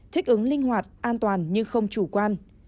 thích ứng linh hoạt an toàn nhưng không chủ quan